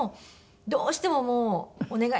「どうしてももうお願い！」